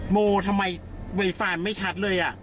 โมทำไมไวไฟไม่ชัดเลย